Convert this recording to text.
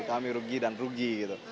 kami rugi dan rugi gitu